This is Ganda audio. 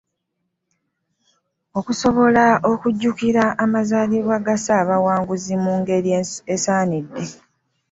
Okusobola okujjukira amazaalibwa ga Ssaabawanguzi mu ngeri esaanidde